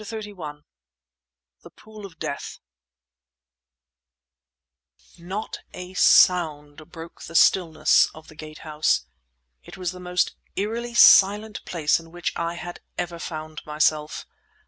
CHAPTER XXXI THE POOL OF DEATH Not a sound broke the stillness of the Gate House. It was the most eerily silent place in which I had ever found myself.